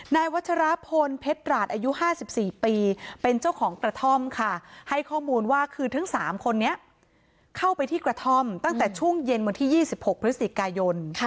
นายวัชรพลเพชรราชอายุ๕๔ปีเป็นเจ้าของกระท่อมค่ะให้ข้อมูลว่าคือทั้ง๓คนนี้เข้าไปที่กระท่อมตั้งแต่ช่วงเย็นวันที่๒๖พฤศจิกายน